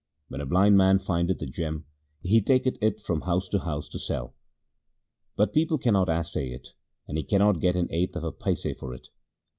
When a blind man findeth a gem, he taketh it from house to house to sell ; But people cannot assay it, and he cannot get an eighth of a paisa for it.